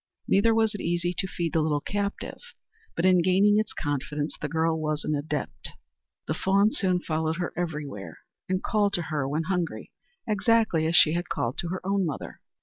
Neither was it easy to feed the little captive; but in gaining its confidence the girl was an adept. The fawn soon followed her everywhere, and called to her when hungry exactly as she had called to her own mother.